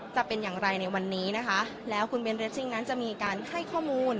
จะเป็นอย่างไรในวันนี้นะคะแล้วคุณเบนเรสซิ่งนั้นจะมีการให้ข้อมูล